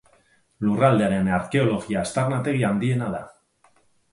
Lurraldearen arkeologia aztarnategi handiena da.